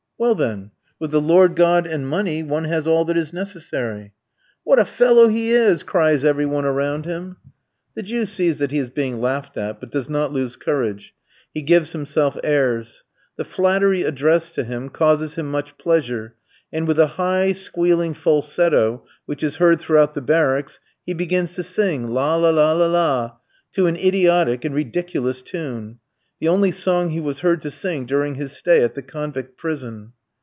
"Well, then! With the Lord God, and money, one has all that is necessary." "What a fellow he is!" cries every one around him. The Jew sees that he is being laughed at, but does not lose courage. He gives himself airs. The flattery addressed to him causes him much pleasure, and with a high, squealing falsetto, which is heard throughout the barracks, he begins to sing, "la, la, la, la," to an idiotic and ridiculous tune; the only song he was heard to sing during his stay at the convict prison.